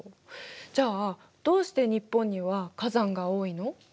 じゃあどうして日本には火山が多いの？